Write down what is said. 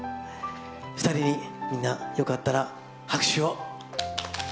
２人にみんな、よかったら拍手を。